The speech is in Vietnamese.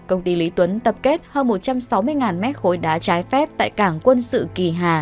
công ty lý tuấn tập kết hơn một trăm sáu mươi mét khối đá trái phép tại cảng quân sự kỳ hà